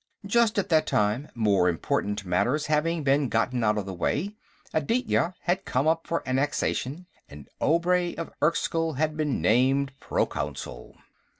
Just at that time, more important matters having been gotten out of the way, Aditya had come up for annexation, and Obray of Erskyll had been named Proconsul.